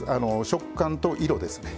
食感と色ですね。